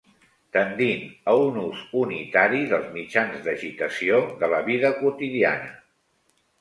Tendint a un ús unitari dels mitjans d'agitació de la vida quotidiana.